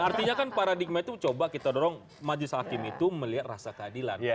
artinya kan paradigma itu coba kita dorong majelis hakim itu melihat rasa keadilan